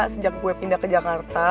sejak gue pindah ke jakarta